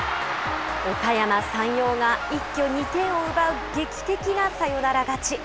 おかやま山陽が一挙２点を奪う劇的なサヨナラ勝ち。